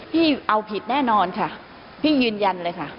พี่เอาผิดแน่นอนค่ะพี่ยืนยันเลยค่ะ